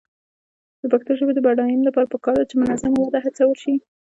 د پښتو ژبې د بډاینې لپاره پکار ده چې منظمه وده هڅول شي.